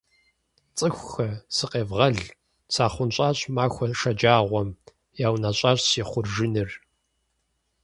Цӏыхухэ! Сыкъевгъэл! Сахъунщӏащ махуэ шэджагъуэм. Яунэщӏащ си хъуржыныр.